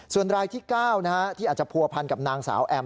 ส่วนรายที่๙ที่อาจจะผัวพันกับนางสาวแอม